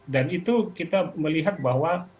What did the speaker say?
dan itu kita melihat bahwa